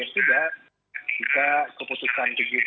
tidak ada kaget tidak